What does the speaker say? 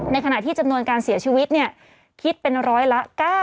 ในขณะที่จำนวนการเสียชีวิตคิดเป็นร้อยละ๙๐